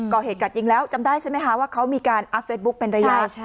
ก่อเหตุการย์จริงแล้วจำได้ใช่ไหมค่ะว่าเขามีการอัดเฟสบุคเป็นระยะ